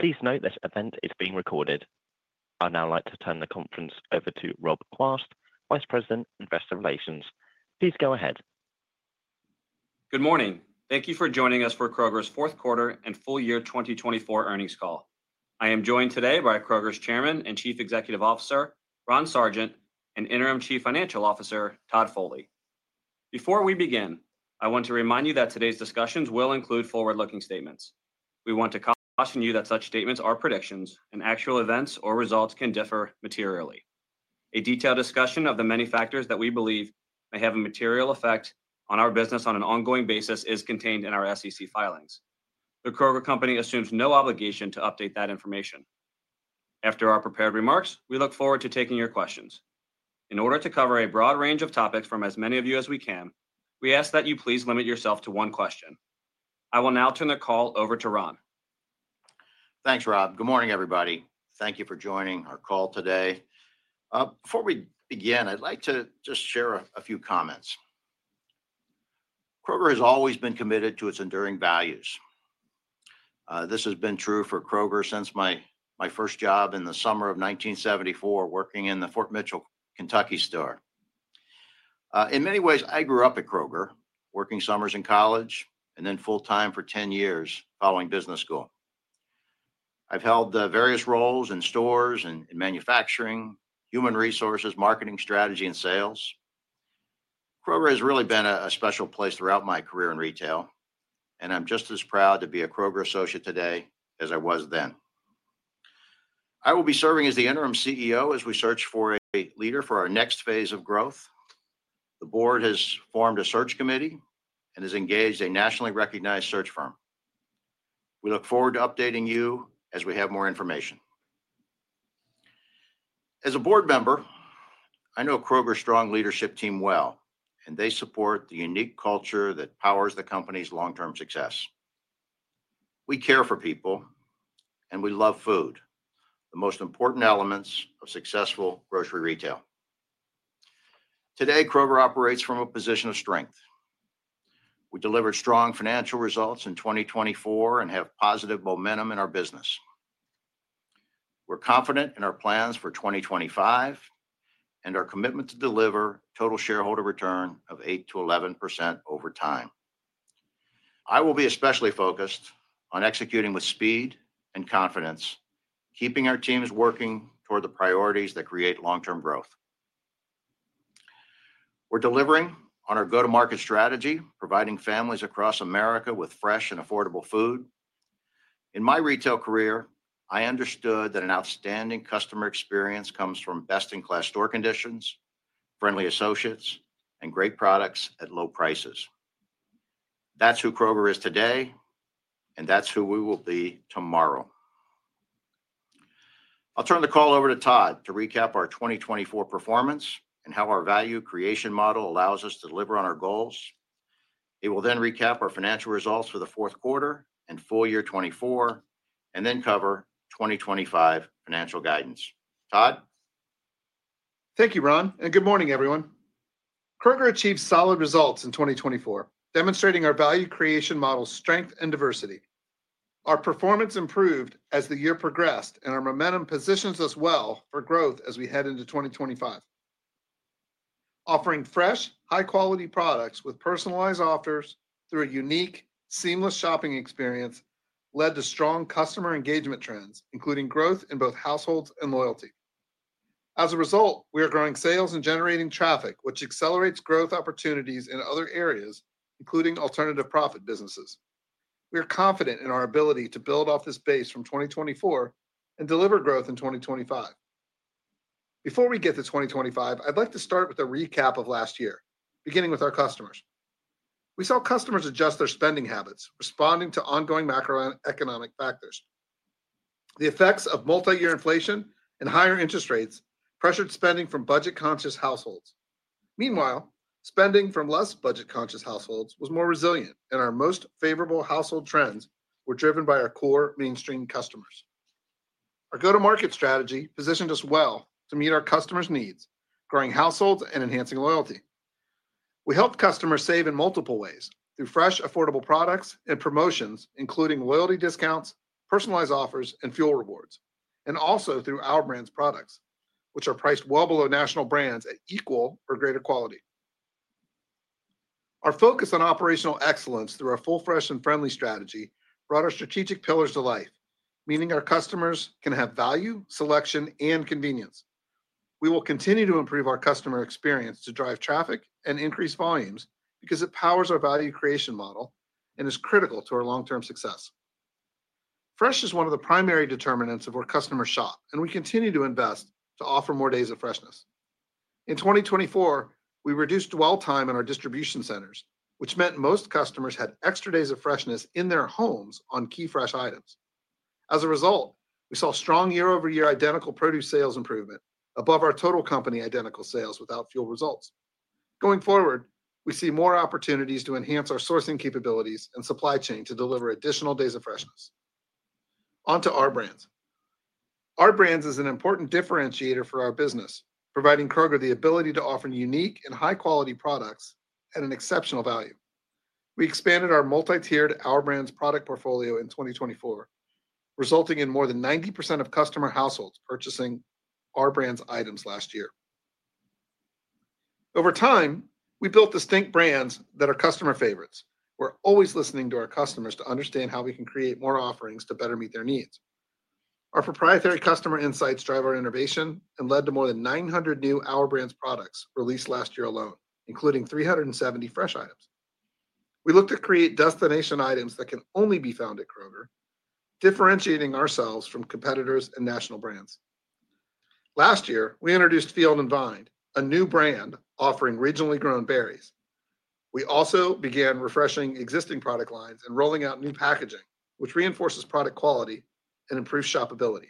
Please note this event is being recorded. I'd now like to turn the conference over to Rob Quast, Vice President, Investor Relations. Please go ahead. Good morning. Thank you for joining us for Kroger's fourth quarter and full year 2024 earnings call. I am joined today by Kroger's Chairman and Chief Executive Officer, Ron Sargent, and Interim Chief Financial Officer, Todd Foley. Before we begin, I want to remind you that today's discussions will include forward-looking statements. We want to caution you that such statements are predictions, and actual events or results can differ materially. A detailed discussion of the many factors that we believe may have a material effect on our business on an ongoing basis is contained in our SEC filings. The Kroger Company assumes no obligation to update that information. After our prepared remarks, we look forward to taking your questions. In order to cover a broad range of topics from as many of you as we can, we ask that you please limit yourself to one question. I will now turn the call over to Ron. Thanks, Rob. Good morning, everybody. Thank you for joining our call today. Before we begin, I'd like to just share a few comments. Kroger has always been committed to its enduring values. This has been true for Kroger since my first job in the summer of 1974, working in the Fort Mitchell, Kentucky store. In many ways, I grew up at Kroger, working summers in college and then full-time for 10 years following business school. I've held various roles in stores and manufacturing, human resources, marketing strategy, and sales. Kroger has really been a special place throughout my career in retail, and I'm just as proud to be a Kroger associate today as I was then. I will be serving as the interim CEO as we search for a leader for our next phase of growth. The board has formed a search committee and has engaged a nationally recognized search firm. We look forward to updating you as we have more information. As a board member, I know Kroger's strong leadership team well, and they support the unique culture that powers the company's long-term success. We care for people, and we love food, the most important elements of successful grocery retail. Today, Kroger operates from a position of strength. We delivered strong financial results in 2024 and have positive momentum in our business. We're confident in our plans for 2025 and our commitment to deliver total shareholder return of 8%-11% over time. I will be especially focused on executing with speed and confidence, keeping our teams working toward the priorities that create long-term growth. We're delivering on our go-to-market strategy, providing families across America with fresh and affordable food. In my retail career, I understood that an outstanding customer experience comes from best-in-class store conditions, friendly associates, and great products at low prices. That's who Kroger is today, and that's who we will be tomorrow. I'll turn the call over to Todd to recap our 2024 performance and how our value creation model allows us to deliver on our goals. He will then recap our financial results for the fourth quarter and full year '24, and then cover 2025 financial guidance. Todd. Thank you, Ron, and good morning, everyone. Kroger achieved solid results in 2024, demonstrating our value creation model's strength and diversity. Our performance improved as the year progressed, and our momentum positions us well for growth as we head into 2025. Offering fresh, high-quality products with personalized offers through a unique, seamless shopping experience led to strong customer engagement trends, including growth in both households and loyalty. As a result, we are growing sales and generating traffic, which accelerates growth opportunities in other areas, including alternative profit businesses. We are confident in our ability to build off this base from 2024 and deliver growth in 2025. Before we get to 2025, I'd like to start with a recap of last year, beginning with our customers. We saw customers adjust their spending habits, responding to ongoing macroeconomic factors. The effects of multi-year inflation and higher interest rates pressured spending from budget-conscious households. Meanwhile, spending from less budget-conscious households was more resilient, and our most favorable household trends were driven by our core mainstream customers. Our go-to-market strategy positioned us well to meet our customers' needs, growing households and enhancing loyalty. We helped customers save in multiple ways through fresh, affordable products and promotions, including loyalty discounts, personalized offers, and fuel rewards, and also through Our Brand's products, which are priced well below national brands at equal or greater quality. Our focus on operational excellence through our Full, Fresh & Friendly strategy brought our strategic pillars to life, meaning our customers can have value, selection, and convenience. We will continue to improve our customer experience to drive traffic and increase volumes because it powers our value creation model and is critical to our long-term success. Fresh is one of the primary determinants of where customers shop, and we continue to invest to offer more days of freshness. In 2024, we reduced dwell time in our distribution centers, which meant most customers had extra days of freshness in their homes on key fresh items. As a result, we saw strong year-over-year identical produce sales improvement above our total company identical sales without fuel results. Going forward, we see more opportunities to enhance our sourcing capabilities and supply chain to deliver additional days of freshness. On to Our Brands. Our Brands is an important differentiator for our business, providing Kroger the ability to offer unique and high-quality products at an exceptional value. We expanded our multi-tiered Our Brands product portfolio in 2024, resulting in more than 90% of customer households purchasing Our Brands items last year. Over time, we built distinct brands that are customer favorites. We're always listening to our customers to understand how we can create more offerings to better meet their needs. Our proprietary customer insights drive our innovation and led to more than 900 new Our Brands products released last year alone, including 370 fresh items. We look to create destination items that can only be found at Kroger, differentiating ourselves from competitors and national brands. Last year, we introduced Field & Vine, a new brand offering regionally grown berries. We also began refreshing existing product lines and rolling out new packaging, which reinforces product quality and improves shoppability.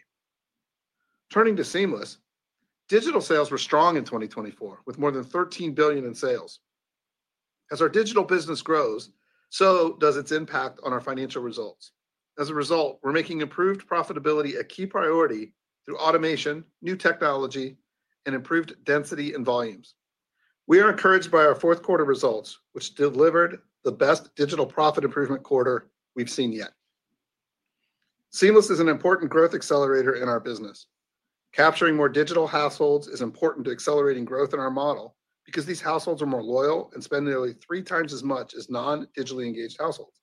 Turning to seamless, digital sales were strong in 2024, with more than $13 billion in sales. As our digital business grows, so does its impact on our financial results. As a result, we're making improved profitability a key priority through automation, new technology, and improved density and volumes. We are encouraged by our fourth quarter results, which delivered the best digital profit improvement quarter we've seen yet. Seamless is an important growth accelerator in our business. Capturing more digital households is important to accelerating growth in our model because these households are more loyal and spend nearly three times as much as non-digitally engaged households.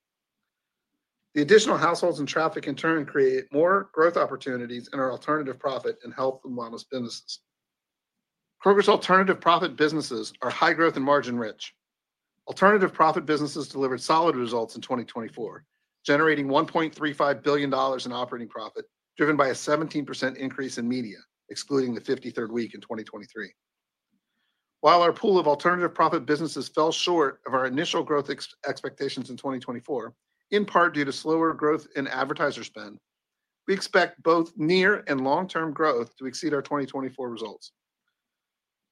The additional households and traffic, in turn, create more growth opportunities in our alternative profit and health and wellness businesses. Kroger's alternative profit businesses are high growth and margin-rich. Alternative profit businesses delivered solid results in 2024, generating $1.35 billion in operating profit, driven by a 17% increase in media, excluding the 53rd week in 2023. While our pool of alternative profit businesses fell short of our initial growth expectations in 2024, in part due to slower growth in advertiser spend, we expect both near and long-term growth to exceed our 2024 results.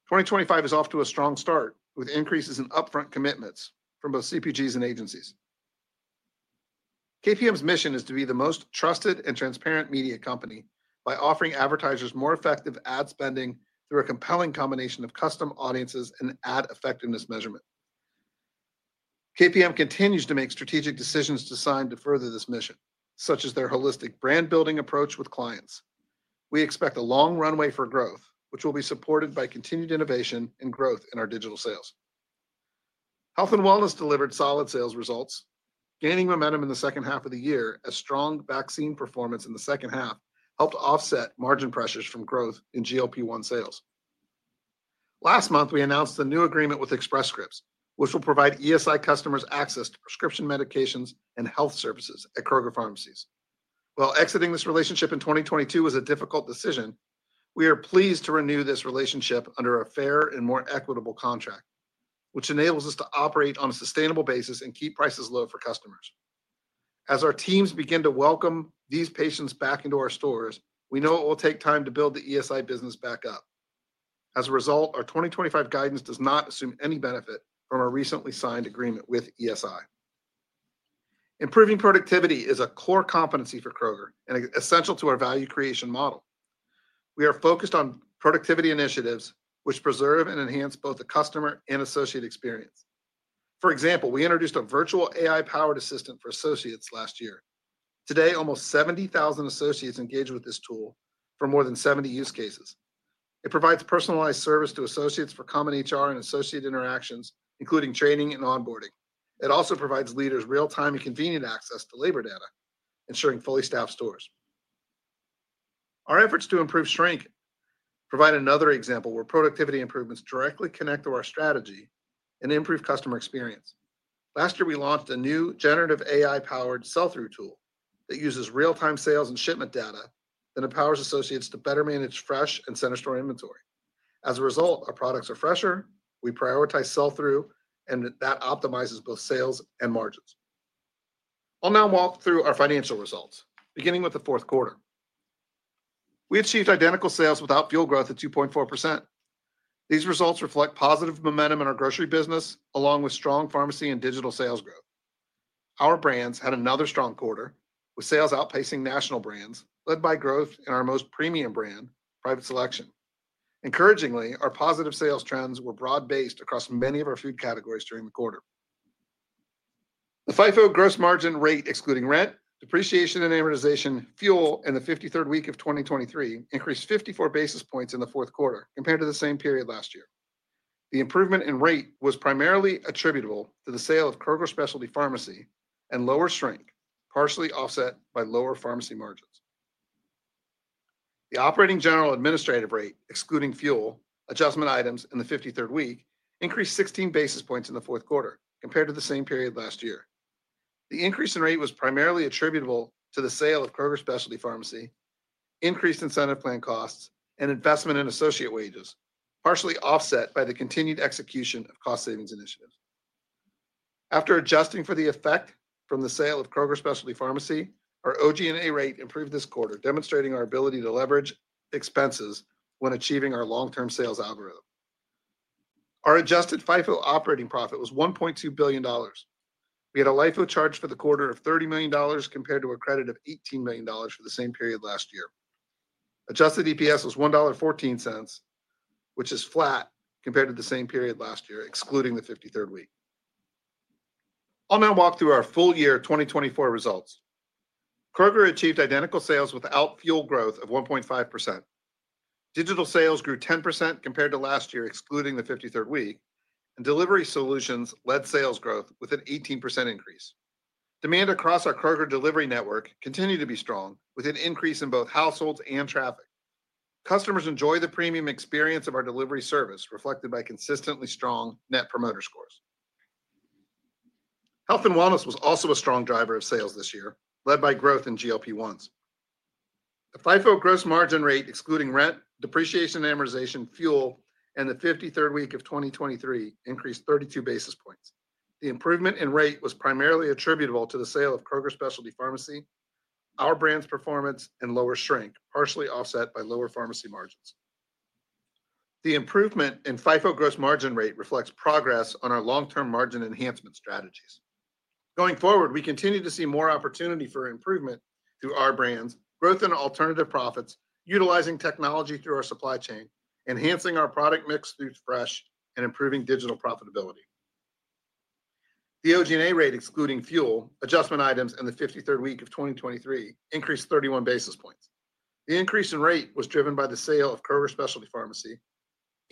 2025 is off to a strong start with increases in upfront commitments from both CPGs and agencies. KPM's mission is to be the most trusted and transparent media company by offering advertisers more effective ad spending through a compelling combination of custom audiences and ad effectiveness measurement. KPM continues to make strategic decisions designed to further this mission, such as their holistic brand-building approach with clients. We expect a long runway for growth, which will be supported by continued innovation and growth in our digital sales. Health and wellness delivered solid sales results, gaining momentum in the second half of the year as strong vaccine performance in the second half helped offset margin pressures from growth in GLP-1 sales. Last month, we announced a new agreement with Express Scripts, which will provide ESI customers access to prescription medications and health services at Kroger Pharmacies. While exiting this relationship in 2022 was a difficult decision, we are pleased to renew this relationship under a fair and more equitable contract, which enables us to operate on a sustainable basis and keep prices low for customers. As our teams begin to welcome these patients back into our stores, we know it will take time to build the ESI business back up. As a result, our 2025 guidance does not assume any benefit from our recently signed agreement with ESI. Improving productivity is a core competency for Kroger and essential to our value creation model. We are focused on productivity initiatives, which preserve and enhance both the customer and associate experience. For example, we introduced a virtual AI-powered assistant for associates last year. Today, almost 70,000 associates engage with this tool for more than 70 use cases. It provides personalized service to associates for common HR and associate interactions, including training and onboarding. It also provides leaders real-time and convenient access to labor data, ensuring fully staffed stores. Our efforts to improve shrink provide another example where productivity improvements directly connect to our strategy and improve customer experience. Last year, we launched a new generative AI-powered sell-through tool that uses real-time sales and shipment data that empowers associates to better manage fresh and center store inventory. As a result, our products are fresher, we prioritize sell-through, and that optimizes both sales and margins. I'll now walk through our financial results, beginning with the fourth quarter. We achieved identical sales without fuel growth at 2.4%. These results reflect positive momentum in our grocery business, along with strong pharmacy and digital sales growth. Our Brands had another strong quarter, with sales outpacing national brands, led by growth in our most premium brand, Private Selection. Encouragingly, our positive sales trends were broad-based across many of our food categories during the quarter. The FIFO gross margin rate, excluding rent, depreciation, and amortization, fuel in the 53rd week of 2023 increased 54 basis points in the fourth quarter compared to the same period last year. The improvement in rate was primarily attributable to the sale of Kroger Specialty Pharmacy and lower shrink, partially offset by lower pharmacy margins. The Operating, General, and Administrative rate, excluding fuel adjustment items in the 53rd week, increased 16 basis points in the fourth quarter compared to the same period last year. The increase in rate was primarily attributable to the sale of Kroger Specialty Pharmacy, increased incentive plan costs, and investment in associate wages, partially offset by the continued execution of cost savings initiatives. After adjusting for the effect from the sale of Kroger Specialty Pharmacy, our OG&A rate improved this quarter, demonstrating our ability to leverage expenses when achieving our long-term sales algorithm. Our adjusted FIFO operating profit was $1.2 billion. We had a LIFO charge for the quarter of $30 million compared to a credit of $18 million for the same period last year. Adjusted EPS was $1.14, which is flat compared to the same period last year, excluding the 53rd week. I'll now walk through our full year 2024 results. Kroger achieved identical sales without fuel growth of 1.5%. Digital sales grew 10% compared to last year, excluding the 53rd week, and delivery solutions led sales growth with an 18% increase. Demand across our Kroger Delivery network continued to be strong, with an increase in both households and traffic. Customers enjoy the premium experience of our delivery service, reflected by consistently strong Net Promoter Scores. Health and wellness was also a strong driver of sales this year, led by growth in GLP-1s. The FIFO gross margin rate, excluding rent, depreciation, amortization, fuel, and the 53rd week of 2023, increased 32 basis points. The improvement in rate was primarily attributable to the sale of Kroger Specialty Pharmacy, Our Brand's performance, and lower shrink, partially offset by lower pharmacy margins. The improvement in FIFO gross margin rate reflects progress on our long-term margin enhancement strategies. Going forward, we continue to see more opportunity for improvement through Our Brands, growth in alternative profits, utilizing technology through our supply chain, enhancing our product mix through fresh, and improving digital profitability. The OG&A rate, excluding fuel, adjustment items, and the 53rd week of 2023 increased 31 basis points. The increase in rate was driven by the sale of Kroger Specialty Pharmacy,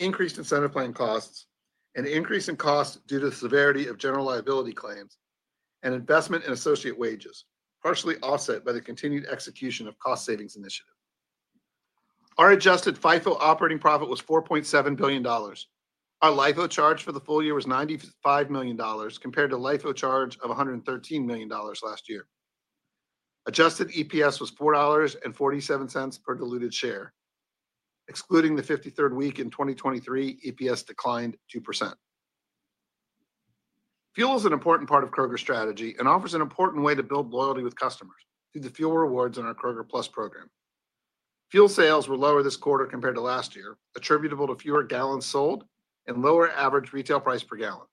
increased incentive plan costs, an increase in costs due to the severity of general liability claims, and investment in associate wages, partially offset by the continued execution of cost savings initiatives. Our adjusted FIFO operating profit was $4.7 billion. Our LIFO charge for the full year was $95 million compared to LIFO charge of $113 million last year. Adjusted EPS was $4.47 per diluted share. Excluding the 53rd week in 2023, EPS declined 2%. Fuel is an important part of Kroger's strategy and offers an important way to build loyalty with customers through the fuel rewards in our Kroger Plus program. Fuel sales were lower this quarter compared to last year, attributable to fewer gallons sold and lower average retail price per gallon.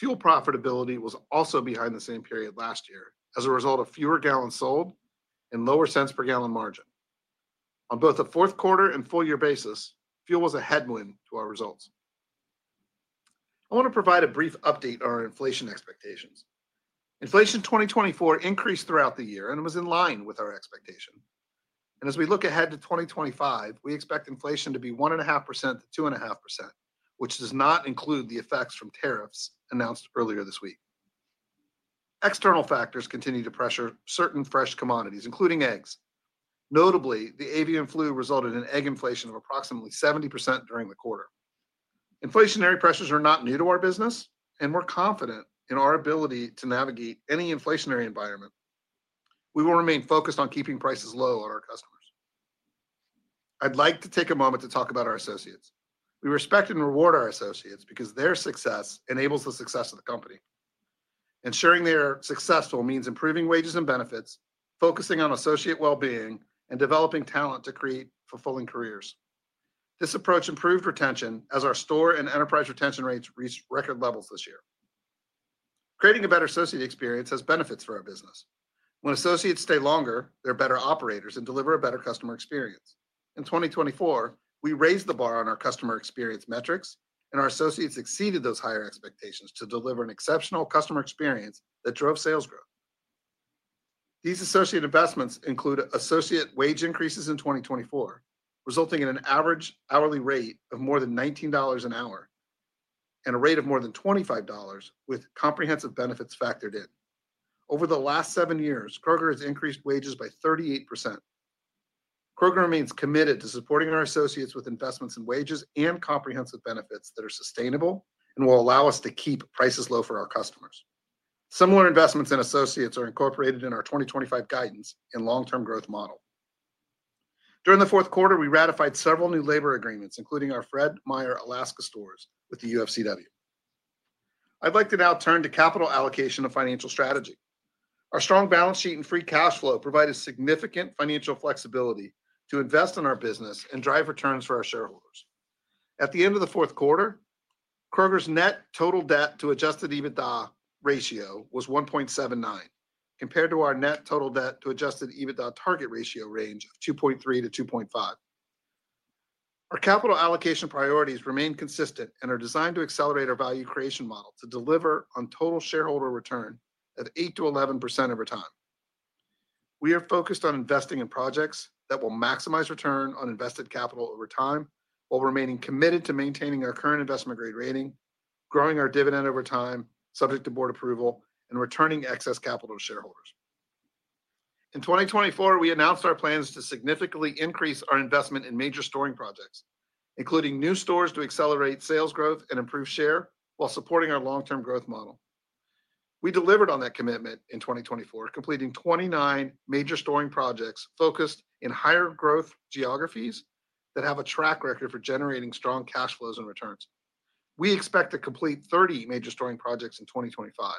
Fuel profitability was also behind the same period last year as a result of fewer gallons sold and lower cents per gallon margin. On both the fourth quarter and full year basis, fuel was a headwind to our results. I want to provide a brief update on our inflation expectations. Inflation 2024 increased throughout the year and was in line with our expectation, and as we look ahead to 2025, we expect inflation to be 1.5%-2.5%, which does not include the effects from tariffs announced earlier this week. External factors continue to pressure certain fresh commodities, including eggs. Notably, the avian flu resulted in egg inflation of approximately 70% during the quarter. Inflationary pressures are not new to our business, and we're confident in our ability to navigate any inflationary environment. We will remain focused on keeping prices low on our customers. I'd like to take a moment to talk about our associates. We respect and reward our associates because their success enables the success of the company. Ensuring they are successful means improving wages and benefits, focusing on associate well-being, and developing talent to create fulfilling careers. This approach improved retention as our store and enterprise retention rates reached record levels this year. Creating a better associate experience has benefits for our business. When associates stay longer, they're better operators and deliver a better customer experience. In 2024, we raised the bar on our customer experience metrics, and our associates exceeded those higher expectations to deliver an exceptional customer experience that drove sales growth. These associate investments include associate wage increases in 2024, resulting in an average hourly rate of more than $19 an hour and a rate of more than $25 with comprehensive benefits factored in. Over the last seven years, Kroger has increased wages by 38%. Kroger remains committed to supporting our associates with investments in wages and comprehensive benefits that are sustainable and will allow us to keep prices low for our customers. Similar investments in associates are incorporated in our 2025 guidance and long-term growth model. During the fourth quarter, we ratified several new labor agreements, including our Fred Meyer Alaska stores with the UFCW. I'd like to now turn to capital allocation and financial strategy. Our strong balance sheet and free cash flow provide significant financial flexibility to invest in our business and drive returns for our shareholders. At the end of the fourth quarter, Kroger's net total debt to adjusted EBITDA ratio was 1.79, compared to our net total debt to adjusted EBITDA target ratio range of 2.3-2.5. Our capital allocation priorities remain consistent and are designed to accelerate our value creation model to deliver on total shareholder return of 8%-11% over time. We are focused on investing in projects that will maximize return on invested capital over time while remaining committed to maintaining our current investment grade rating, growing our dividend over time subject to board approval, and returning excess capital to shareholders. In 2024, we announced our plans to significantly increase our investment in major store projects, including new stores to accelerate sales growth and improve share while supporting our long-term growth model. We delivered on that commitment in 2024, completing 29 major store projects focused in higher growth geographies that have a track record for generating strong cash flows and returns. We expect to complete 30 major store projects in 2025.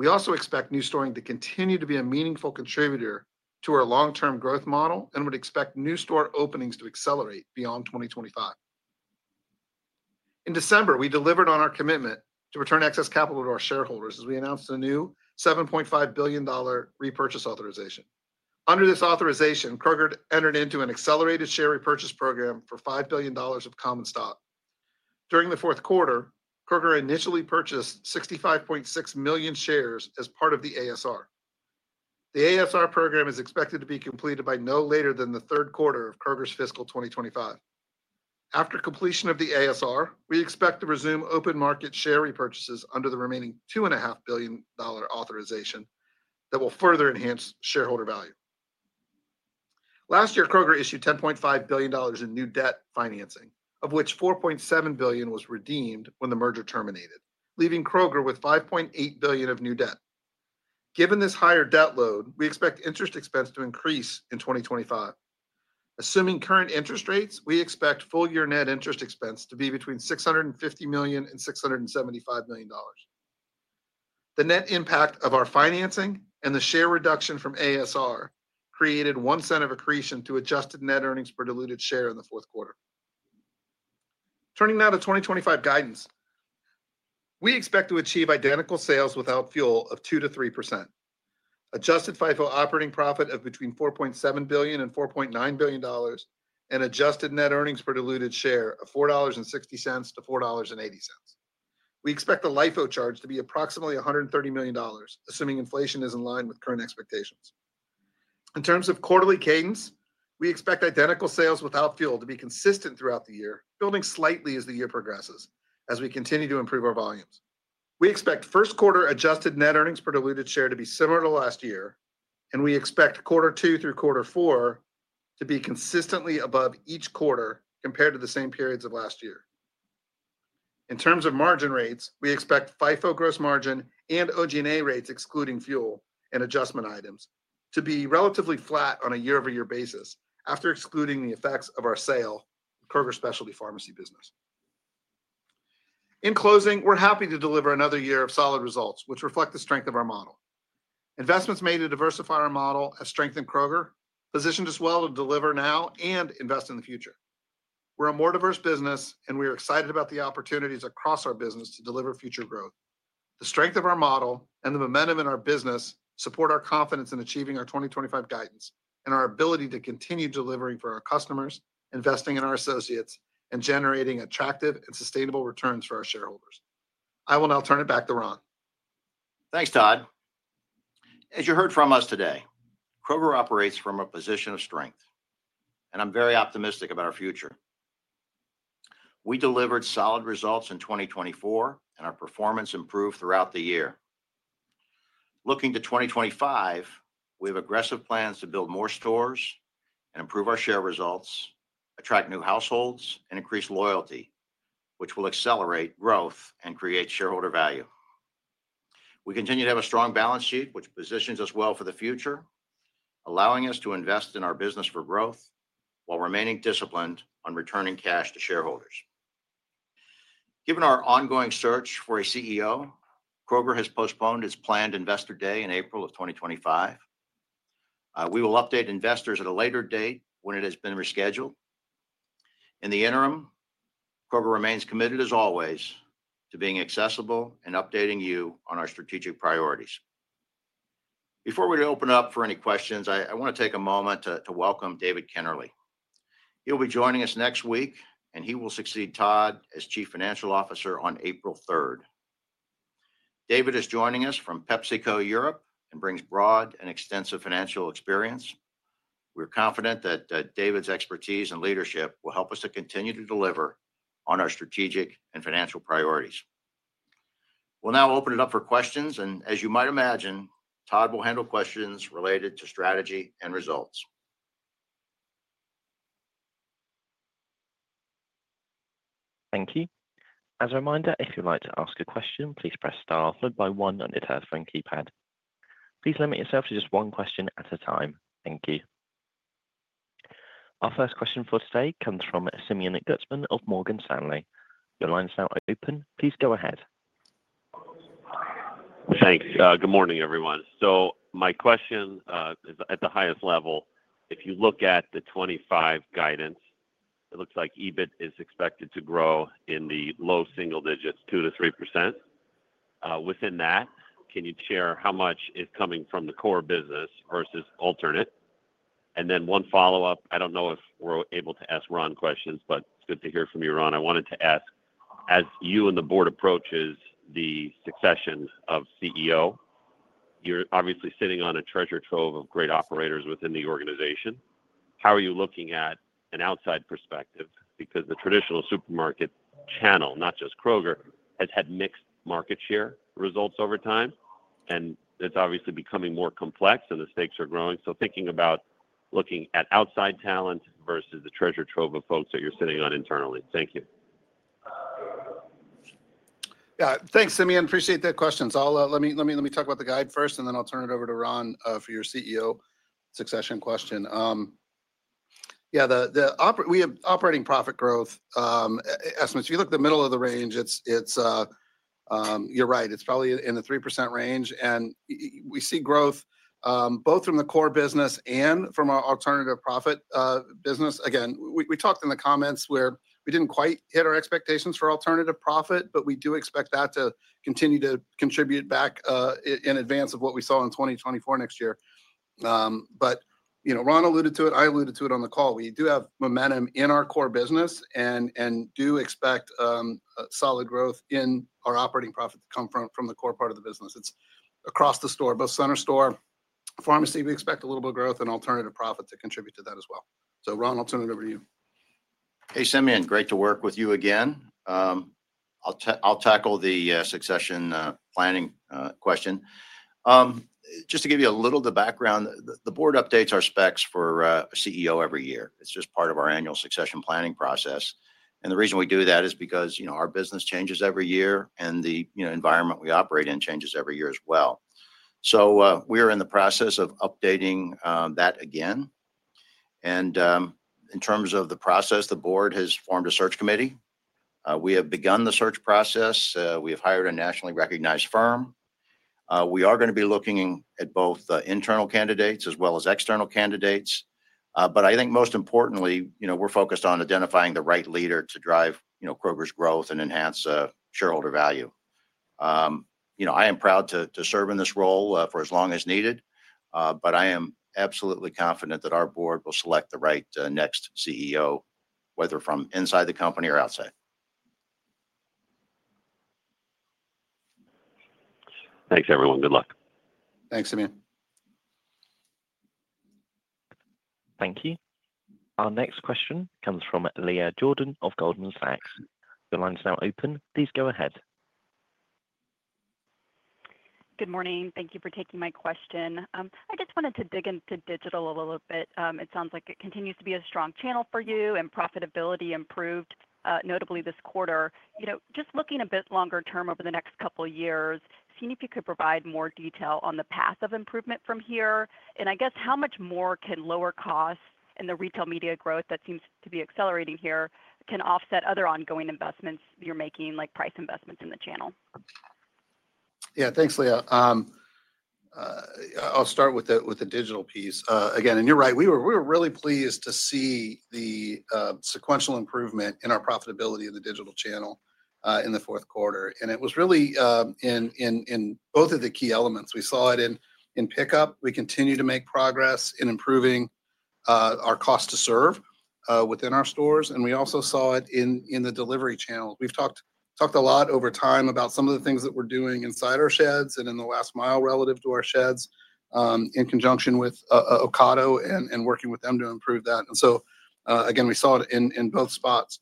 We also expect new store to continue to be a meaningful contributor to our long-term growth model and would expect new store openings to accelerate beyond 2025. In December, we delivered on our commitment to return excess capital to our shareholders as we announced a new $7.5 billion repurchase authorization. Under this authorization, Kroger entered into an accelerated share repurchase program for $5 billion of common stock. During the fourth quarter, Kroger initially purchased 65.6 million shares as part of the ASR. The ASR program is expected to be completed by no later than the third quarter of Kroger's fiscal 2025. After completion of the ASR, we expect to resume open market share repurchases under the remaining $2.5 billion authorization that will further enhance shareholder value. Last year, Kroger issued $10.5 billion in new debt financing, of which $4.7 billion was redeemed when the merger terminated, leaving Kroger with $5.8 billion of new debt. Given this higher debt load, we expect interest expense to increase in 2025. Assuming current interest rates, we expect full year net interest expense to be between $650 million and $675 million. The net impact of our financing and the share reduction from ASR created $0.01 of accretion to adjusted net earnings per diluted share in the fourth quarter. Turning now to 2025 guidance, we expect to achieve identical sales without fuel of 2%-3%, adjusted FIFO operating profit of between $4.7 billion and $4.9 billion, and adjusted net earnings per diluted share of $4.60-$4.80. We expect the LIFO charge to be approximately $130 million, assuming inflation is in line with current expectations. In terms of quarterly cadence, we expect identical sales without fuel to be consistent throughout the year, building slightly as the year progresses as we continue to improve our volumes. We expect first quarter adjusted net earnings per diluted share to be similar to last year, and we expect quarter two through quarter four to be consistently above each quarter compared to the same periods of last year. In terms of margin rates, we expect FIFO gross margin and OG&A rates, excluding fuel and adjustment items, to be relatively flat on a year-over-year basis after excluding the effects of our sale of Kroger Specialty Pharmacy business. In closing, we're happy to deliver another year of solid results, which reflect the strength of our model. Investments made to diversify our model have strengthened Kroger, positioned us well to deliver now and invest in the future. We're a more diverse business, and we are excited about the opportunities across our business to deliver future growth. The strength of our model and the momentum in our business support our confidence in achieving our 2025 guidance and our ability to continue delivering for our customers, investing in our associates, and generating attractive and sustainable returns for our shareholders. I will now turn it back to Ron. Thanks, Todd. As you heard from us today, Kroger operates from a position of strength, and I'm very optimistic about our future. We delivered solid results in 2024, and our performance improved throughout the year. Looking to 2025, we have aggressive plans to build more stores and improve our share results, attract new households, and increase loyalty, which will accelerate growth and create shareholder value. We continue to have a strong balance sheet, which positions us well for the future, allowing us to invest in our business for growth while remaining disciplined on returning cash to shareholders. Given our ongoing search for a CEO, Kroger has postponed its planned investor day in April of 2025. We will update investors at a later date when it has been rescheduled. In the interim, Kroger remains committed, as always, to being accessible and updating you on our strategic priorities. Before we open up for any questions, I want to take a moment to welcome David Kennerley. He'll be joining us next week, and he will succeed Todd as Chief Financial Officer on April 3rd. David is joining us from PepsiCo Europe and brings broad and extensive financial experience. We're confident that David's expertise and leadership will help us to continue to deliver on our strategic and financial priorities. We'll now open it up for questions, and as you might imagine, Todd will handle questions related to strategy and results. Thank you. As a reminder, if you'd like to ask a question, please press star followed by one on your telephone keypad. Please limit yourself to just one question at a time. Thank you. Our first question for today comes from Simeon Gutman of Morgan Stanley. Your line is now open. Please go ahead. Thanks. Good morning, everyone. So my question is at the highest level. If you look at the 2025 guidance, it looks like EBIT is expected to grow in the low single digits, 2%-3%. Within that, can you share how much is coming from the core business versus alternate? And then one follow-up, I don't know if we're able to ask Ron questions, but it's good to hear from you, Ron. I wanted to ask, as you and the board approach the succession of CEO, you're obviously sitting on a treasure trove of great operators within the organization. How are you looking at an outside perspective? Because the traditional supermarket channel, not just Kroger, has had mixed market share results over time, and it's obviously becoming more complex, and the stakes are growing. So thinking about looking at outside talent versus the treasure trove of folks that you're sitting on internally. Thank you. Yeah. Thanks, Simeon. Appreciate the questions. Let me talk about the guide first, and then I'll turn it over to Ron for your CEO succession question. Yeah. We have operating profit growth estimates. If you look at the middle of the range, you're right. It's probably in the 3% range. And we see growth both from the core business and from our alternative profit business. Again, we talked in the comments where we didn't quite hit our expectations for alternative profit, but we do expect that to continue to contribute back in advance of what we saw in 2024 next year. But Ron alluded to it. I alluded to it on the call. We do have momentum in our core business and do expect solid growth in our operating profit to come from the core part of the business. It's across the store, both center store, pharmacy. We expect a little bit of growth and alternative profit to contribute to that as well, so Ron, I'll turn it over to you. Hey, Simeon. Great to work with you again. I'll tackle the succession planning question. Just to give you a little bit of background, the board updates our specs for CEO every year. It's just part of our annual succession planning process, and the reason we do that is because our business changes every year, and the environment we operate in changes every year as well, so we are in the process of updating that again, and in terms of the process, the board has formed a search committee. We have begun the search process. We have hired a nationally recognized firm. We are going to be looking at both internal candidates as well as external candidates. But I think most importantly, we're focused on identifying the right leader to drive Kroger's growth and enhance shareholder value. I am proud to serve in this role for as long as needed, but I am absolutely confident that our board will select the right next CEO, whether from inside the company or outside. Thanks, everyone. Good luck. Thanks, Simeon. Thank you. Our next question comes from Leah Jordan of Goldman Sachs. Your line is now open. Please go ahead. Good morning. Thank you for taking my question. I just wanted to dig into digital a little bit. It sounds like it continues to be a strong channel for you, and profitability improved, notably this quarter. Just looking a bit longer term over the next couple of years, seeing if you could provide more detail on the path of improvement from here. And I guess how much more can lower costs and the retail media growth that seems to be accelerating here offset other ongoing investments you're making, like price investments in the channel? Y eah. Thanks, Leah. I'll start with the digital piece. Again, and you're right, we were really pleased to see the sequential improvement in our profitability in the digital channel in the fourth quarter, and it was really in both of the key elements. We saw it in pickup. We continue to make progress in improving our cost to serve within our stores, and we also saw it in the delivery channel. We've talked a lot over time about some of the things that we're doing inside our sheds and in the last mile relative to our sheds in conjunction with Ocado and working with them to improve that, and so again, we saw it in both spots.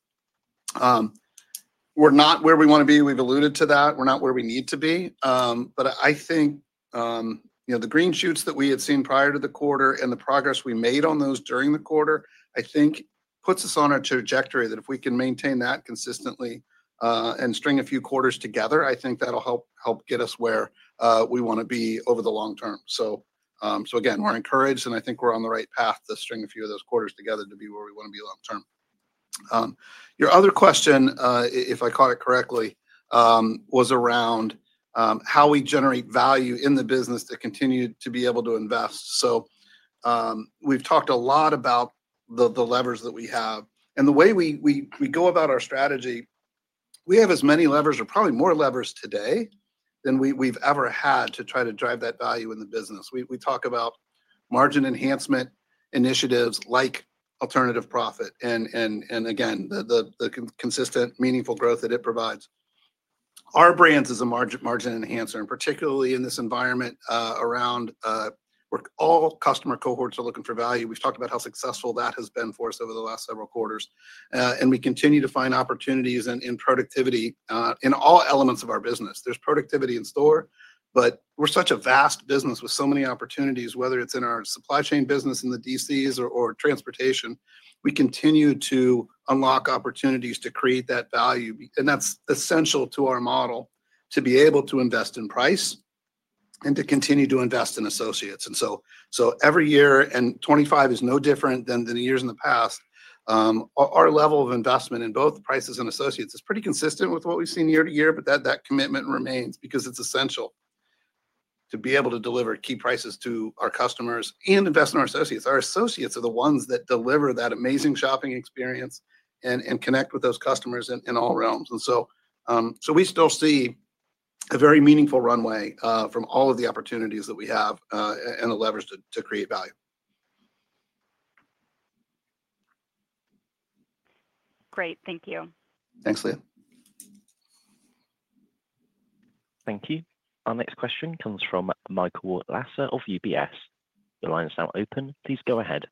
We're not where we want to be. We've alluded to that. We're not where we need to be. But I think the green shoots that we had seen prior to the quarter and the progress we made on those during the quarter, I think puts us on our trajectory that if we can maintain that consistently and string a few quarters together, I think that'll help get us where we want to be over the long term. So again, we're encouraged, and I think we're on the right path to string a few of those quarters together to be where we want to be long term. Your other question, if I caught it correctly, was around how we generate value in the business to continue to be able to invest. So we've talked a lot about the levers that we have. And the way we go about our strategy, we have as many levers or probably more levers today than we've ever had to try to drive that value in the business. We talk about margin enhancement initiatives like alternative profit and, again, the consistent, meaningful growth that it provides. Our brand is a margin enhancer, and particularly in this environment around where all customer cohorts are looking for value. We've talked about how successful that has been for us over the last several quarters. And we continue to find opportunities in productivity in all elements of our business. There's productivity in store, but we're such a vast business with so many opportunities, whether it's in our supply chain business in the DCs or transportation. We continue to unlock opportunities to create that value. That's essential to our model to be able to invest in price and to continue to invest in associates. So every year, and 2025 is no different than the years in the past, our level of investment in both prices and associates is pretty consistent with what we've seen year to year, but that commitment remains because it's essential to be able to deliver key prices to our customers and invest in our associates. Our associates are the ones that deliver that amazing shopping experience and connect with those customers in all realms. So we still see a very meaningful runway from all of the opportunities that we have and the levers to create value. Great. Thank you. Thanks, Leah. Thank you. Our next question comes from Michael Lasser of UBS. Your line is now open. Please go ahead.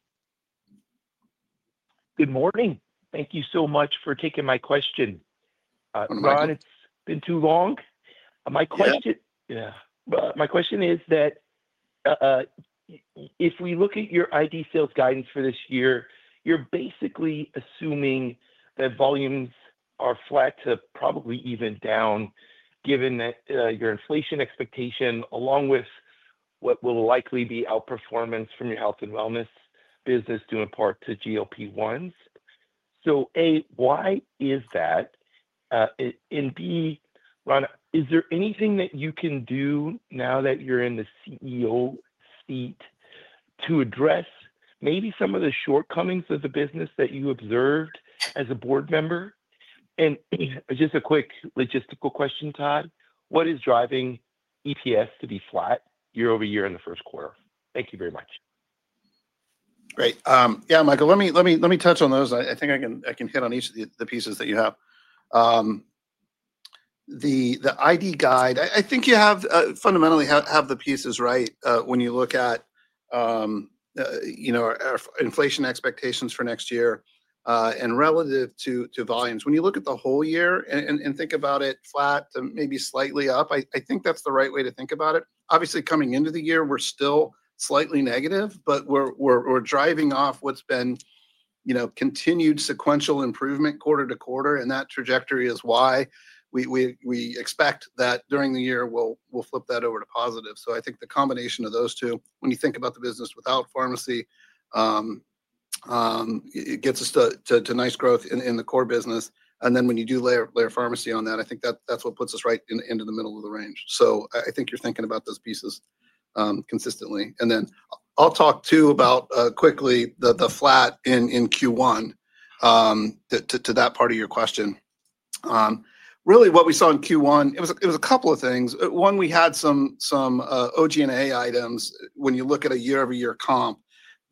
Good morning. Thank you so much for taking my question. Ron, it's been too long. My question is that if we look at your identical sales guidance for this year, you're basically assuming that volumes are flat to probably even down given your inflation expectation, along with what will likely be outperformance from your health and wellness business due in part to GLP-1s. So A, why is that? And B, Ron, is there anything that you can do now that you're in the CEO seat to address maybe some of the shortcomings of the business that you observed as a board member? And just a quick logistical question, Todd. What is driving EPS to be flat year over year in the first quarter? Thank you very much. Great. Yeah, Michael, let me touch on those. I think I can hit on each of the pieces that you have. The guide, I think you fundamentally have the pieces right when you look at our inflation expectations for next year, and relative to volumes, when you look at the whole year and think about it flat to maybe slightly up, I think that's the right way to think about it. Obviously, coming into the year, we're still slightly negative, but we're driving off what's been continued sequential improvement quarter to quarter, and that trajectory is why we expect that during the year, we'll flip that over to positive, so I think the combination of those two, when you think about the business without pharmacy, it gets us to nice growth in the core business, and then when you do layer pharmacy on that, I think that's what puts us right into the middle of the range, so I think you're thinking about those pieces consistently. And then I'll talk to about quickly the flat in Q1 to that part of your question. Really, what we saw in Q1, it was a couple of things. One, we had some OG&A items when you look at a year-over-year comp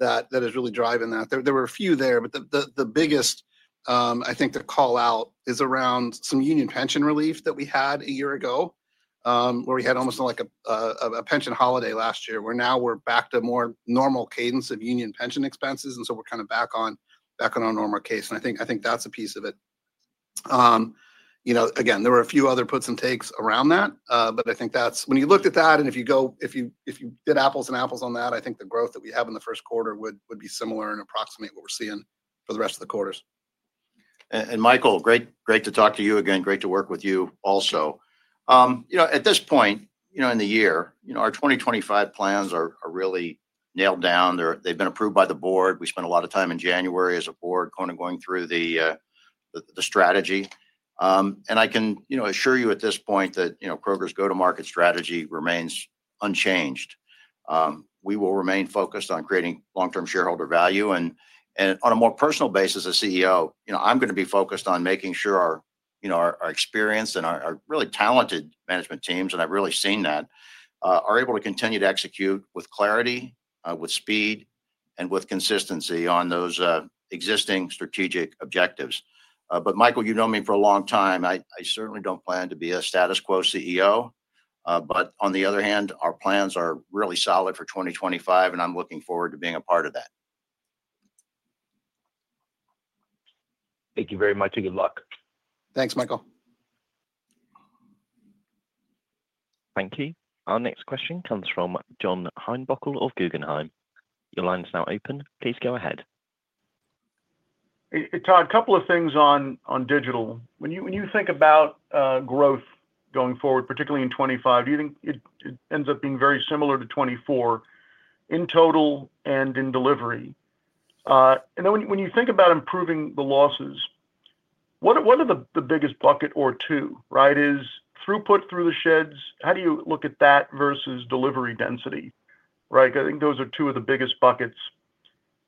that is really driving that. There were a few there, but the biggest, I think, to call out is around some union pension relief that we had a year ago, where we had almost like a pension holiday last year, where now we're back to a more normal cadence of union pension expenses. And so we're kind of back on our normal case. And I think that's a piece of it. Again, there were a few other puts and takes around that, but I think that's when you looked at that, and if you did apples to apples on that, I think the growth that we have in the first quarter would be similar and approximate what we're seeing for the rest of the quarters. And Michael, great to talk to you again. Great to work with you also. At this point in the year, our 2025 plans are really nailed down. They've been approved by the board. We spent a lot of time in January as a board kind of going through the strategy. And I can assure you at this point that Kroger's go-to-market strategy remains unchanged. We will remain focused on creating long-term shareholder value. On a more personal basis as CEO, I'm going to be focused on making sure our experience and our really talented management teams, and I've really seen that, are able to continue to execute with clarity, with speed, and with consistency on those existing strategic objectives. Michael, you've known me for a long time. I certainly don't plan to be a status quo CEO. On the other hand, our plans are really solid for 2025, and I'm looking forward to being a part of that. Thank you very much, and good luck. Thanks, Michael. Thank you. Our next question comes from John Heinbockel of Guggenheim Securities. Your line is now open. Please go ahead. Todd, a couple of things on digital. When you think about growth going forward, particularly in 2025, do you think it ends up being very similar to 2024 in total and in delivery? And then when you think about improving the losses, what are the biggest bucket or two, right? Is throughput through the sheds? How do you look at that versus delivery density? I think those are two of the biggest buckets.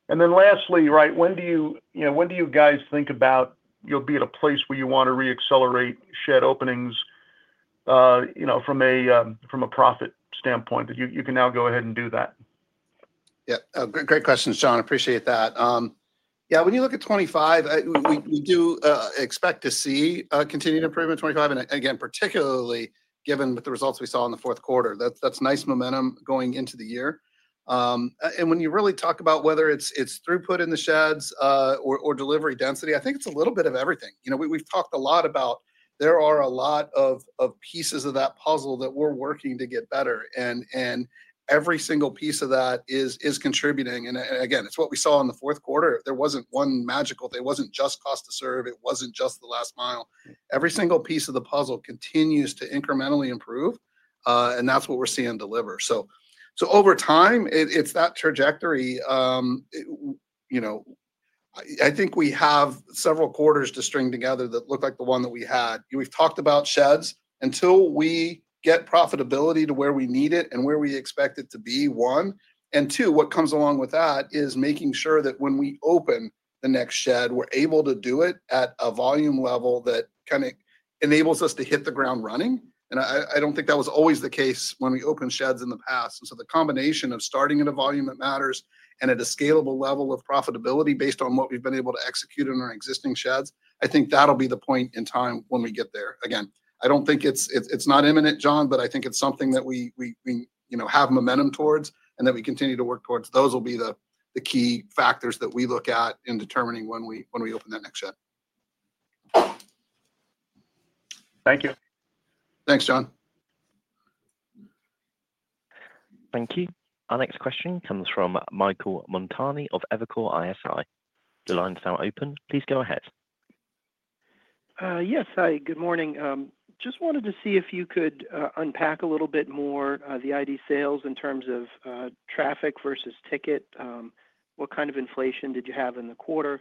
And then lastly, when do you guys think about you'll be at a place where you want to re-accelerate shed openings from a profit standpoint that you can now go ahead and do that? Yeah. Great question, John. Appreciate that. Yeah. When you look at 2025, we do expect to see continued improvement in 2025. And again, particularly given the results we saw in the fourth quarter, that's nice momentum going into the year. And when you really talk about whether it's throughput in the sheds or delivery density, I think it's a little bit of everything. We've talked a lot about there are a lot of pieces of that puzzle that we're working to get better. And every single piece of that is contributing. And again, it's what we saw in the fourth quarter. There wasn't one magical. It wasn't just cost to serve. It wasn't just the last mile. Every single piece of the puzzle continues to incrementally improve. And that's what we're seeing deliver. So over time, it's that trajectory. I think we have several quarters to string together that look like the one that we had. We've talked about sheds. Until we get profitability to where we need it and where we expect it to be, one. And two, what comes along with that is making sure that when we open the next shed, we're able to do it at a volume level that kind of enables us to hit the ground running. I don't think that was always the case when we opened sheds in the past. So the combination of starting at a volume that matters and at a scalable level of profitability based on what we've been able to execute in our existing sheds, I think that'll be the point in time when we get there. Again, I don't think it's not imminent, John, but I think it's something that we have momentum towards and that we continue to work towards. Those will be the key factors that we look at in determining when we open that next shed. Thank you. Thanks, John. Thank you. Our next question comes from Michael Montani of Evercore ISI. The line is now open. Please go ahead. Yes. Hi. Good morning. Just wanted to see if you could unpack a little bit more the identical sales in terms of traffic versus ticket. What kind of inflation did you have in the quarter?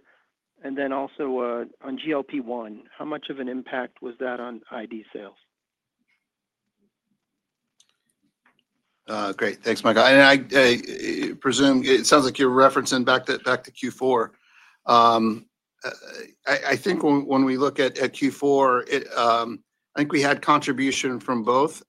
And then also on GLP-1, how much of an impact was that on ID sales? Great. Thanks, Michael. And I presume it sounds like you're referencing back to Q4. I think when we look at Q4, I think we had contribution from both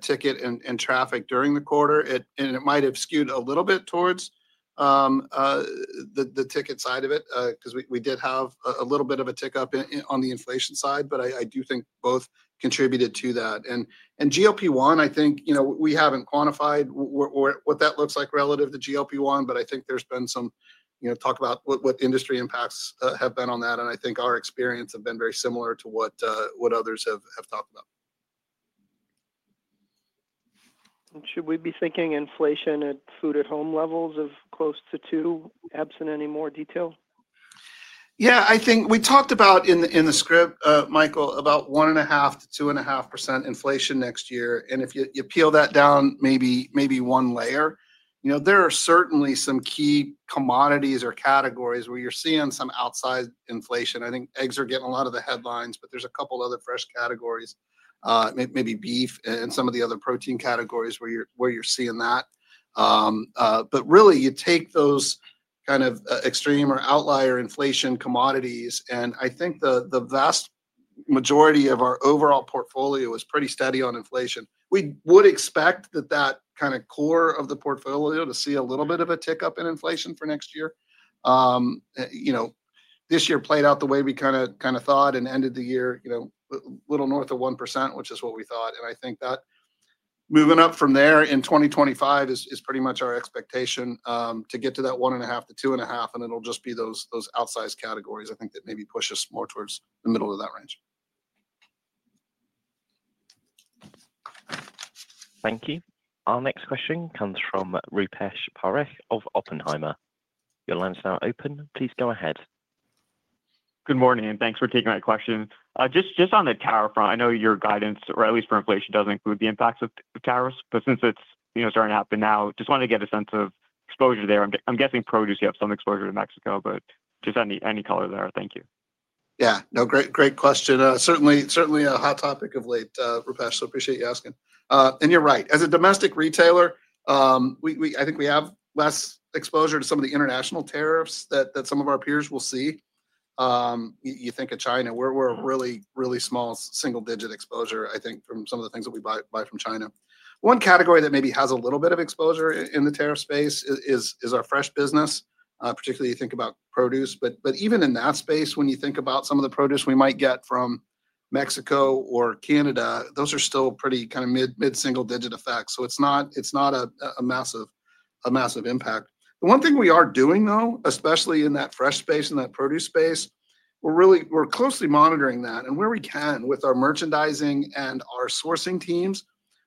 ticket and traffic during the quarter. And it might have skewed a little bit towards the ticket side of it because we did have a little bit of a tick up on the inflation side. But I do think both contributed to that. And GLP-1, I think we haven't quantified what that looks like relative to GLP-1, but I think there's been some talk about what industry impacts have been on that. And I think our experience has been very similar to what others have talked about. And should we be thinking inflation at food-at-home levels of close to 2%? Absent any more detail? Yeah. I think we talked about in the script, Michael, about 1.5%-2.5% inflation next year. And if you peel that down maybe one layer, there are certainly some key commodities or categories where you're seeing some outside inflation. I think eggs are getting a lot of the headlines, but there's a couple of other fresh categories, maybe beef and some of the other protein categories where you're seeing that. But really, you take those kind of extreme or outlier inflation commodities, and I think the vast majority of our overall portfolio is pretty steady on inflation. We would expect that that kind of core of the portfolio to see a little bit of a tick up in inflation for next year. This year played out the way we kind of thought and ended the year a little north of 1%, which is what we thought. I think that moving up from there in 2025 is pretty much our expectation to get to that 1.5%-2.5%. It'll just be those outsized categories, I think, that maybe push us more towards the middle of that range. Thank you. Our next question comes from Rupesh Parikh of Oppenheimer. Your line is now open. Please go ahead. Good morning. Thanks for taking that question. Just on the tariff front, I know your guidance, or at least for inflation, doesn't include the impacts of tariffs. But since it's starting to happen now, just wanted to get a sense of exposure there. I'm guessing produce. You have some exposure to Mexico, but just any color there. Thank you. Yeah. No, great question. Certainly a hot topic of late, Rupesh. So I appreciate you asking. And you're right. As a domestic retailer, I think we have less exposure to some of the international tariffs that some of our peers will see. You think of China. We're a really small single-digit exposure, I think, from some of the things that we buy from China. One category that maybe has a little bit of exposure in the tariff space is our fresh business, particularly you think about produce. But even in that space, when you think about some of the produce we might get from Mexico or Canada, those are still pretty kind of mid-single-digit effects. So it's not a massive impact. The one thing we are doing, though, especially in that fresh space and that produce space, we're closely monitoring that. And where we can, with our merchandising and our sourcing teams,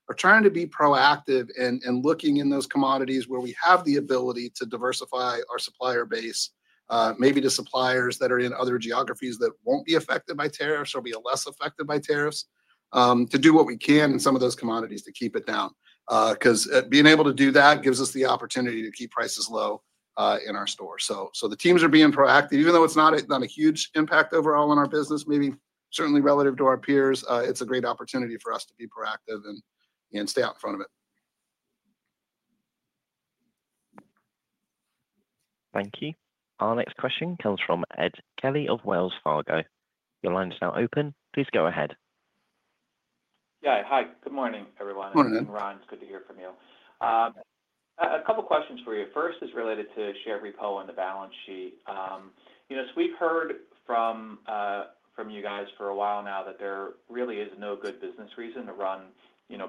we're trying to be proactive and looking in those commodities where we have the ability to diversify our supplier base, maybe to suppliers that are in other geographies that won't be affected by tariffs or be less affected by tariffs, to do what we can in some of those commodities to keep it down. Because being able to do that gives us the opportunity to keep prices low in our store. So the teams are being proactive. Even though it's not a huge impact overall on our business, maybe certainly relative to our peers, it's a great opportunity for us to be proactive and stay out in front of it. Thank you. Our next question comes from Ed Kelly of Wells Fargo. Your line is now open. Please go ahead. Yeah. Hi. Good morning, everyone. Good morning. Ron, it's good to hear from you. A couple of questions for you. First is related to share repurchase on the balance sheet. So we've heard from you guys for a while now that there really is no good business reason to run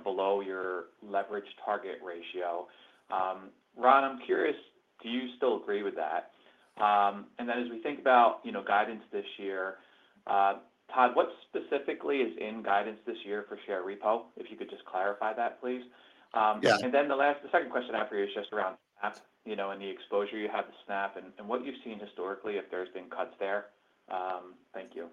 below your leverage target ratio. Ron, I'm curious, do you still agree with that? And then as we think about guidance this year, Todd, what specifically is in guidance this year for share repurchase? If you could just clarify that, please. And then the second question I have for you is just around SNAP and the exposure you have to SNAP and what you've seen historically if there's been cuts there. Thank you.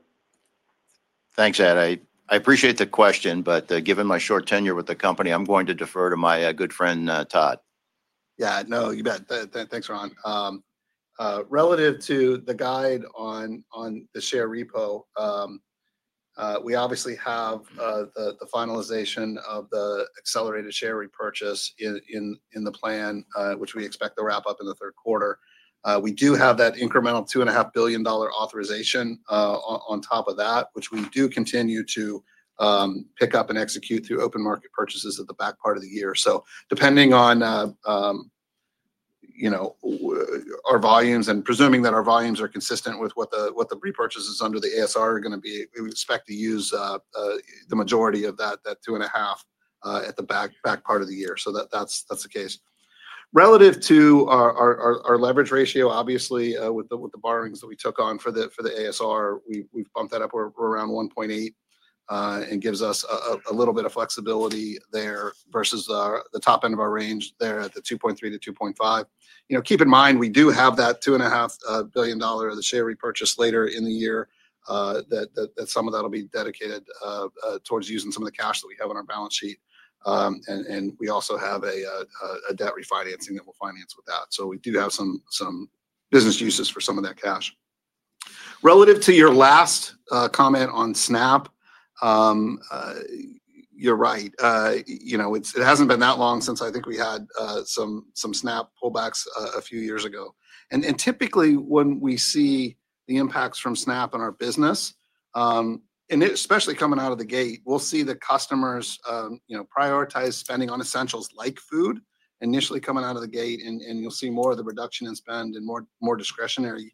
Thanks, Ed. I appreciate the question, but given my short tenure with the company, I'm going to defer to my good friend Todd. Yeah. No, you bet. Thanks, Ron. Relative to the guide on the share repurchase, we obviously have the finalization of the accelerated share repurchase in the plan, which we expect to wrap up in the third quarter. We do have that incremental $2.5 billion authorization on top of that, which we do continue to pick up and execute through open market purchases at the back part of the year. So depending on our volumes and presuming that our volumes are consistent with what the repurchases under the ASR are going to be, we expect to use the majority of that 2.5 at the back part of the year so that that's the case. Relative to our leverage ratio, obviously, with the borrowings that we took on for the ASR, we've bumped that up around 1.8 and gives us a little bit of flexibility there versus the top end of our range there at the 2.3-2.5. Keep in mind, we do have that $2.5 billion of the share repurchase later in the year that some of that will be dedicated towards using some of the cash that we have on our balance sheet. And we also have a debt refinancing that we'll finance with that. So we do have some business uses for some of that cash. Relative to your last comment on SNAP, you're right. It hasn't been that long since I think we had some SNAP pullbacks a few years ago. Typically, when we see the impacts from SNAP on our business, and especially coming out of the gate, we'll see the customers prioritize spending on essentials like food initially coming out of the gate. And you'll see more of the reduction in spend and more discretionary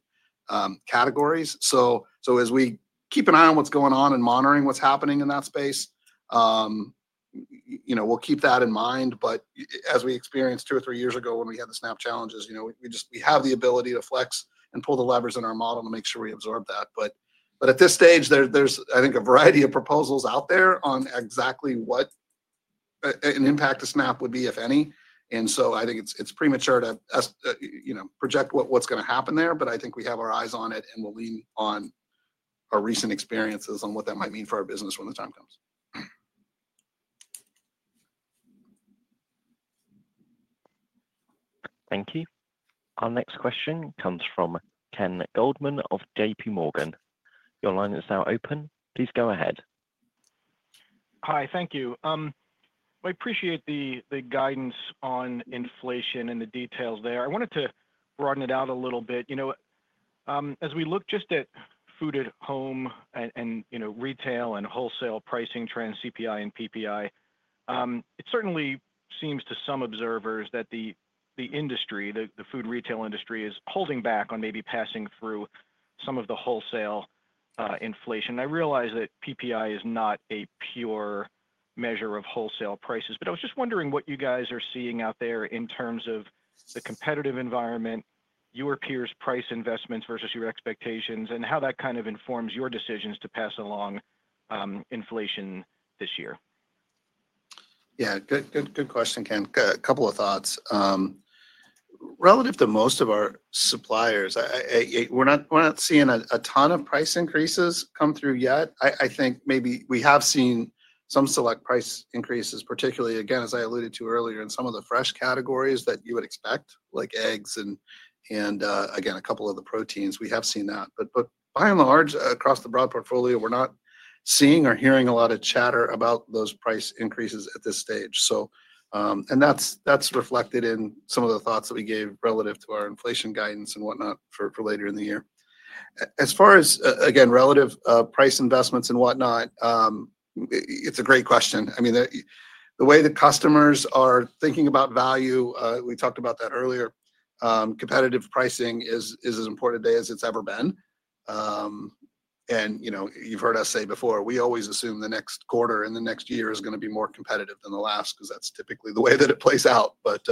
categories. So as we keep an eye on what's going on and monitoring what's happening in that space, we'll keep that in mind. But as we experienced two or three years ago when we had the SNAP challenges, we have the ability to flex and pull the levers in our model and make sure we absorb that. But at this stage, there's, I think, a variety of proposals out there on exactly what an impact of SNAP would be, if any. And so I think it's premature to project what's going to happen there. But I think we have our eyes on it, and we'll lean on our recent experiences on what that might mean for our business when the time comes. Thank you. Our next question comes from Ken Goldman of JPMorgan. Your line is now open. Please go ahead. Hi. Thank you. I appreciate the guidance on inflation and the details there. I wanted to broaden it out a little bit. As we look just at food-at-home and retail and wholesale pricing trends, CPI and PPI, it certainly seems to some observers that the industry, the food retail industry, is holding back on maybe passing through some of the wholesale inflation. I realize that PPI is not a pure measure of wholesale prices. But I was just wondering what you guys are seeing out there in terms of the competitive environment, your peers' price investments versus your expectations, and how that kind of informs your decisions to pass along inflation this year. Yeah. Good question, Ken. A couple of thoughts. Relative to most of our suppliers, we're not seeing a ton of price increases come through yet. I think maybe we have seen some select price increases, particularly, again, as I alluded to earlier, in some of the fresh categories that you would expect, like eggs and, again, a couple of the proteins. We have seen that. But by and large, across the broad portfolio, we're not seeing or hearing a lot of chatter about those price increases at this stage. That's reflected in some of the thoughts that we gave relative to our inflation guidance and whatnot for later in the year. As far as, again, relative price investments and whatnot, it's a great question. I mean, the way that customers are thinking about value, we talked about that earlier. Competitive pricing is as important today as it's ever been. You've heard us say before, we always assume the next quarter and the next year is going to be more competitive than the last because that's typically the way that it plays out. But